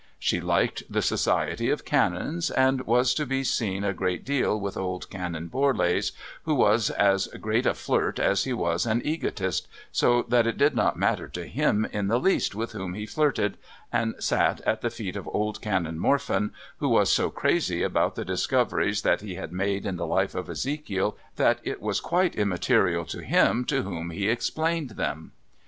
She liked the society of Canons, and was to be seen a great deal with old Canon Borlase, who was as great a flirt as he was an egotist, so that it did not matter to him in the least with whom he flirted, and sat at the feet of old Canon Morpheu, who was so crazy about the discoveries that he had made in the life of Ezekiel that it was quite immaterial to him to whom he explained them.